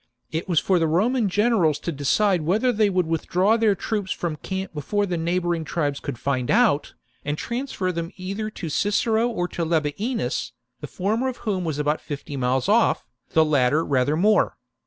It was for the Roman generals to decide whether they would withdraw their troops from camp before the neighbouring tribes could find out, and transfer them either to Cicero or to Labienus, the former of whom was about fifty miles off, the latter rather more.